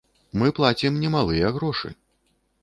Мы плацім немалыя грошы.